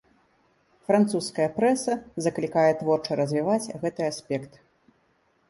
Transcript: Французская прэса заклікае творча развіваць гэты аспект.